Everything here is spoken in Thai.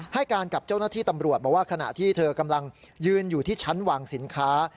ให้การกับเจ้าหน้าที่ตำรวจบอกว่าขณะที่เธอกำลังยืนอยู่ที่ชั้นวางสินค้า